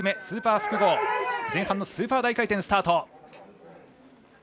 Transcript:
スーパー複合、前半のスーパー大回転、スタート。